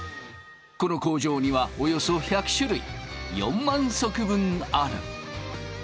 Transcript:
この工場にはおよそ１００種類４万足分ある。